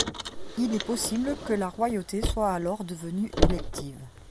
Il est possible que la royauté soit alors devenue élective.